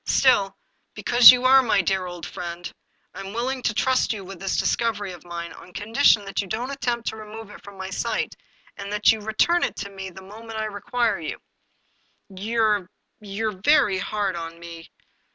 Still, because you are my dear old friend, I am willing to trust you with this discovery of mine, on condi tion that you don't attempt to remove it from my sight, and that you return it to me the moment I require you/' " You're — you're very hard on me."